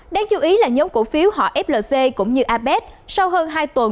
đáng chú ý là nhóm cổ phiếu họ flc cũng như apec sau hơn hai tuần